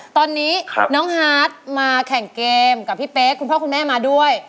ตอนนี้น้องฮาร์ดมาแข่งเกมกับพี่เป๊กคุณพ่อคุณแม่มาด้วย